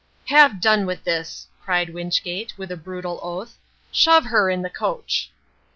"Have done with this!" cried Wynchgate, with a brutal oath. "Shove her in the coach."